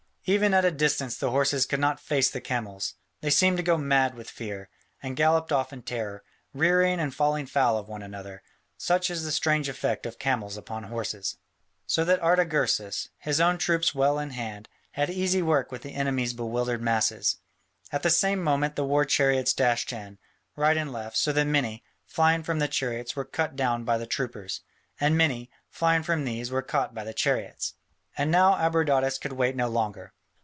Even at a distance the horses could not face the camels: they seemed to go mad with fear, and galloped off in terror, rearing and falling foul of one another: such is the strange effect of camels upon horses. So that Artagersas, his own troops well in hand, had easy work with the enemy's bewildered masses. At the same moment the war chariots dashed in, right and left, so that many, flying from the chariots, were cut down by the troopers, and many, flying from these, were caught by the chariots. And now Abradatas could wait no longer.